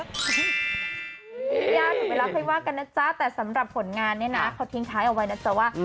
ยากอยู่แล้วค่อยว่ากันนะจ๊ะแต่สำหรับผลงานเนี่ยนะเขาทิ้งท้ายเอาไว้นะจ๊ะว่า